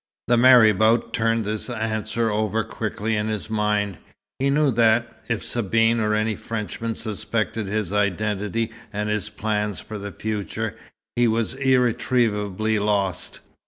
The marabout turned this answer over quickly in his mind. He knew that, if Sabine or any Frenchman suspected his identity and his plans for the future, he was irretrievably lost.